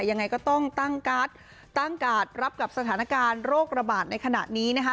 ยังไงก็ต้องตั้งการ์ดตั้งการ์ดรับกับสถานการณ์โรคระบาดในขณะนี้นะคะ